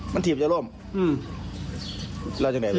มันถีดเจ้าลมเล่าจากไหนเลย